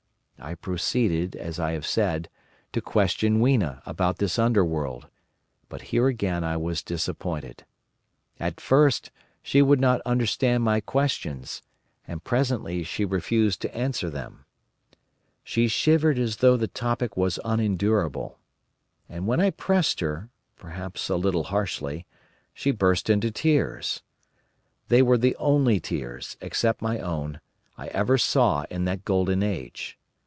I proceeded, as I have said, to question Weena about this Underworld, but here again I was disappointed. At first she would not understand my questions, and presently she refused to answer them. She shivered as though the topic was unendurable. And when I pressed her, perhaps a little harshly, she burst into tears. They were the only tears, except my own, I ever saw in that Golden Age.